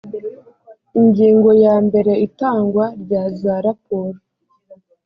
ingingo ya mbere itangwa rya za raporo